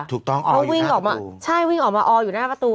ถูกต้องอออยู่หน้าประตูใช่วิ่งออกมาอออยู่หน้าประตู